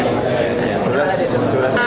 tidak ada itu